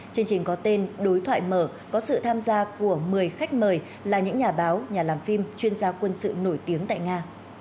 chương trình có tên đối thoại mở có sự tham gia của một mươi khách mời là những nhà báo nhà làm phim chuyên gia quân sự nổi tiếng tại nga